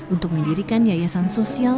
untuk mendirikan yayasan sosial